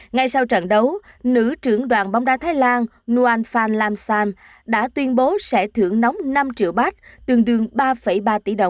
ngay sau trận đấu nữ trưởng đoàn bóng đá thái lan nguyen phan lam sam đã tuyên bố sẽ thưởng nóng năm triệu baht